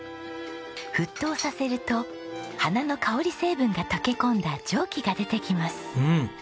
沸騰させると花の香り成分が溶け込んだ蒸気が出てきます。